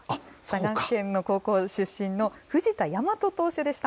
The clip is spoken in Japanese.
佐賀県の高校出身の藤田倭投手でした。